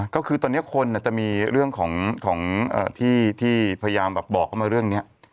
ก็คือตอนนี้คนจะมีเรื่องของที่พยายามบอกเขามาเรื่องนี้